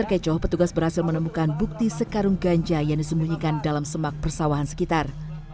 mencoba untuk menemukan bukti sekarung ganja yang disembunyikan dalam semak persawahan sekitar